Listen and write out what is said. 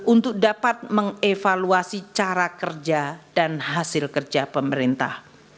untuk dapat mengevaluasi cara kerja dan hasil kerja pemerintah